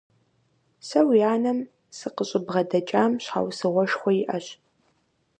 Сэ уи анэм сыкъыщӀыбгъэдэкӀам щхьэусыгъуэшхуэ иӀэщ.